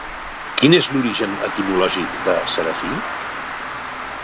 Quin és l'origen etimològic de serafí?